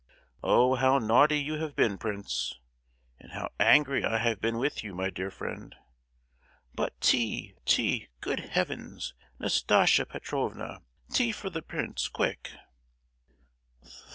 Oh, how naughty you have been, prince! And how angry I have been with you, my dear friend! But, tea! tea! Good Heavens, Nastasia Petrovna, tea for the prince, quick!"